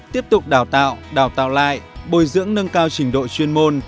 tiếp tục đào tạo đào tạo lại bồi dưỡng nâng cao trình độ chuyên môn